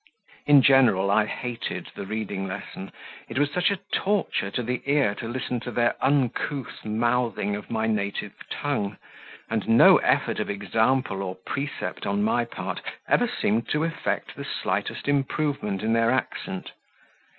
In general I hated the reading lesson, it was such a torture to the ear to listen to their uncouth mouthing of my native tongue, and no effort of example or precept on my part ever seemed to effect the slightest improvement in their accent.